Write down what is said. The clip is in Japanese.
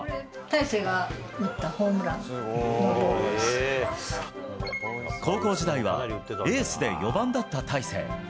大勢が打ったホームランのボ高校時代は、エースで４番だった大勢。